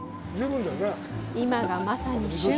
今がまさに旬！